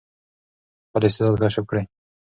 خپل استعداد کشف کړئ.